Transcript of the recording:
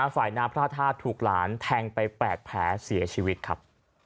ฝ่ายน้ำพระธาตุถูกหลานแทงไป๘แผลเสียชีวิตครับ